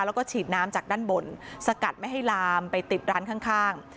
แล้วก็ฉีดน้ำจากด้านบนสกัดไม่ให้ลามไปติดร้านข้าง